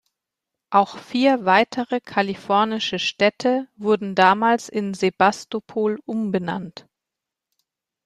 Auch vier weitere kalifornische Städte wurden damals in Sebastopol umbenannt.